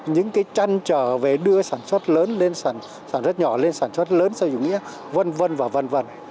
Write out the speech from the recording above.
những cái tranh trở về đưa sản xuất lớn lên sản xuất nhỏ lên sản xuất lớn sử dụng nghĩa vân vân và vân vân